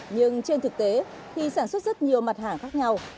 nhưng trên thực tế khi sản xuất rất nhiều mặt hàng khác